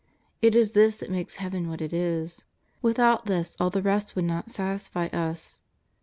It is this that makes Heaven what it is. Without this all the rest would not satisfy us.